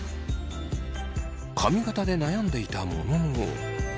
髪形で悩んでいたものの。